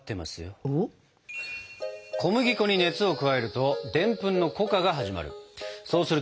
小麦粉に熱を加えるとでんぷんの糊化が始まる。